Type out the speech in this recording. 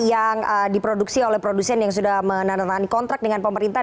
yang diproduksi oleh produsen yang sudah menandatangani kontrak dengan pemerintah